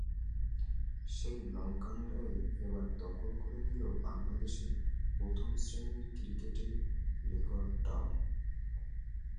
সেই লঙ্কানরাই এবার দখল করে নিল বাংলাদেশের প্রথম শ্রেণীর ক্রিকেটের রেকর্ডটাও।